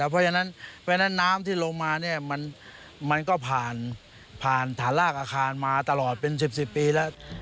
เพราะฉะนั้นน้ำที่ลงมาเนี่ยมันก็ผ่านฐานรากอาคารมาตลอดเป็น๑๐ปีแล้ว